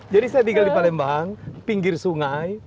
saya tinggal di palembang pinggir sungai